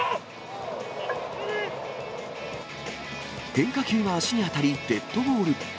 変化球が足に当たりデッドボール。